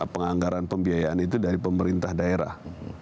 penganggaran pembiayaan itu dari pemerintah daerah